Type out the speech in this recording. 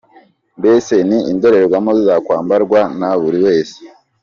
Mbese ni indorerwamo zakwambarwa na buri wese.